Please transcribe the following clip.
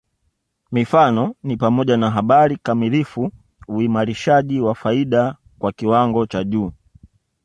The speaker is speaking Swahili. Mifano ni pamoja na habari kamilifu uimarishaji wa faida kwa kiwango cha juu